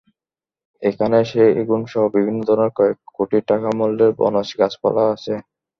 এখানে সেগুনসহ বিভিন্ন ধরনের কয়েক কোটি টাকা মূল্যের বনজ গাছপালা আছে।